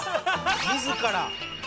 自ら。